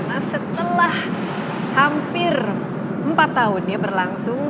nah setelah hampir empat tahun ya berlangsung